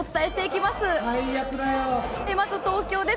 まず東京です。